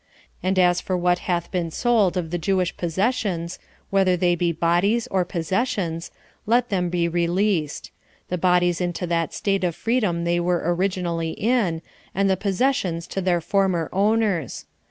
And as for what hath been sold of the Jewish possessions, whether they be bodies or possessions, let them be released; the bodies into that state of freedom they were originally in, and the possessions to their former owners.